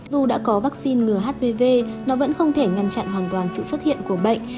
dù đã có vaccine ngừa hpv nó vẫn không thể ngăn chặn hoàn toàn sự xuất hiện của bệnh